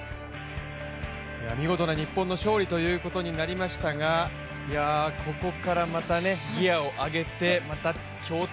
見事な日本の勝利ということになりましたが、ここからまたギアを上げて強敵